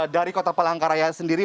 dari kota palangkaraya sendiri